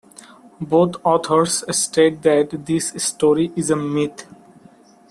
Both authors state that this story is a myth.